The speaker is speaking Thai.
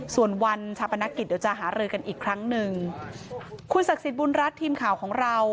ส่วนวันชาปนกิจเดี๋ยวจะหารือกันอีกครั้งหนึ่งคุณศักดิ์สิทธิบุญรัฐทีมข่าวของเรา